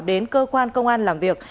đến cơ quan công an làm việc